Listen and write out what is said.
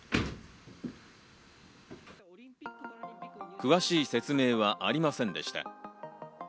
詳しい説明はありませんでした。